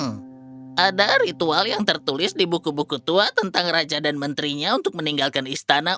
ada ritual yang tertulis di buku buku tua tentang raja dan menterinya untuk meninggalkan istana